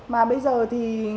mà bây giờ thì